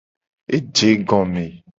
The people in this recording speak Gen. Eje egome.